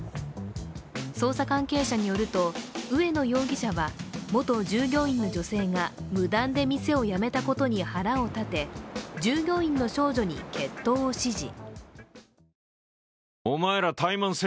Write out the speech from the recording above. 捜査関係者によると、上野容疑者は元従業員の女性が無断で店を辞めたことに腹を立て従業員の少女に決闘を指示。